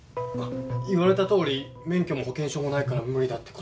言われたとおり免許も保険証もないから無理だって断った。